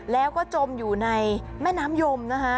แล้วก็จมอยู่ในแม่น้ำยมนะคะ